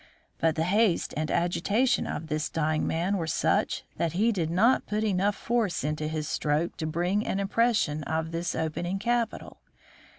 But the haste and agitation of this dying man were such that he did not put enough force into his stroke to bring an impression of this opening capital.